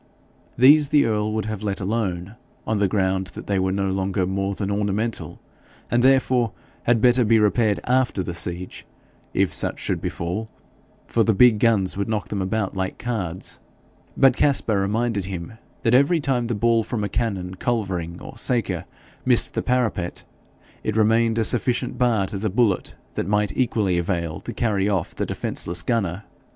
These the earl would have let alone, on the ground that they were no longer more than ornamental, and therefore had better be repaired AFTER the siege, if such should befall, for the big guns would knock them about like cards; but Caspar reminded him that every time the ball from a cannon, culvering, or saker missed the parapet, it remained a sufficient bar to the bullet that might equally avail to carry off the defenceless gunner.